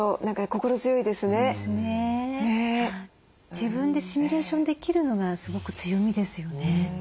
自分でシミュレーションできるのがすごく強みですよね。